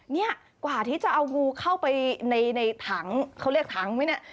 เนี่ยกว่าที่จะเอางูเข้าไปในถังเขาเรียกถังไหมเนี่ย